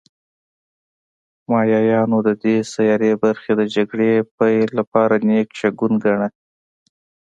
مایایانو د دې سیارې برخې د جګړې پیل لپاره نېک شګون گاڼه